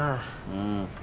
うん。